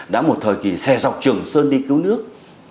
đã một thời kỳ xe dọc trường sơn đi cứu nước